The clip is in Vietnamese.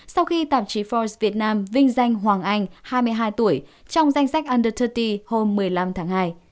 sau khi tạp chí forbes việt nam vinh danh hoàng anh hai mươi hai tuổi trong danh sách under ba mươi hôm một mươi năm tháng hai